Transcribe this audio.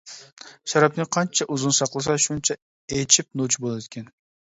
شارابنى قانچە ئۇزۇن ساقلىسا شۇنچە ئېچىپ نوچى بولىدىكەن.